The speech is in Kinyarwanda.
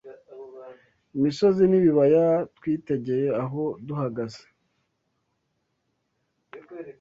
imisozi n’ibibaya twitegeye aho duhagaze